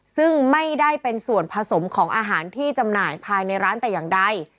ซึ่งไม่ได้เป็นส่วนผสมของอาหารที่จำหน่ายภายในร้านแต่อย่างใด